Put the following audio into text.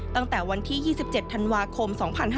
ตั้งแต่วันที่๒๗ธันวาคม๒๕๕๙